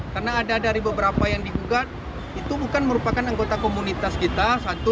karena ada dari beberapa yang digugat itu bukan merupakan anggota komunitas kita